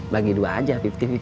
bagi dua aja lima puluh lima puluh